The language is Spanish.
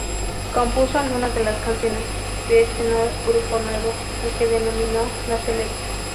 Compuso algunas de las canciones de este grupo nuevo, al que denominó "La Selecta".